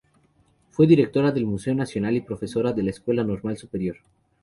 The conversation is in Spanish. Fue Directora del Museo Nacional y profesora de la Escuela Normal Superior.